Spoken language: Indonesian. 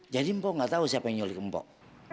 jadi mpok gak tau siapa yang nyolik mpok